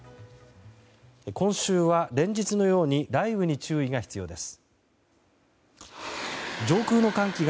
今週は連日のように雷雨に注意が必要です。